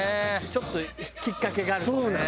ちょっときっかけがあるとね。